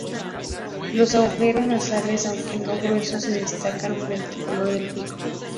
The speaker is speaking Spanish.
Los agujeros nasales aunque no gruesos, se destacan frente al color del pico.